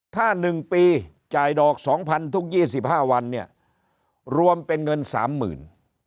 ถ้า๑ปีจ่ายดอก๒๐๐ทุก๒๕วันเนี่ยรวมเป็นเงิน๓๐๐๐บาท